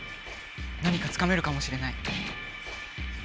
何かつかめるかもしれない。